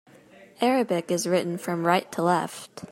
Arabic is written from right to left.